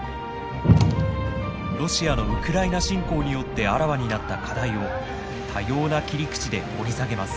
ロシアのウクライナ侵攻によってあらわになった課題を多様な切り口で掘り下げます。